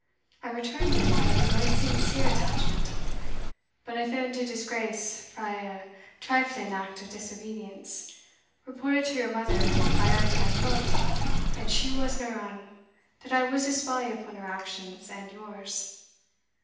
I returned it by the maist sincere attachment, but I fell into disgrace frae a trifling act of disobedience, reported to your mother by ane that thought, and she wasna wrang, that I was a spy upon her actions and yours."